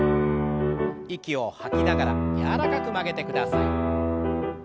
息を吐きながら柔らかく曲げてください。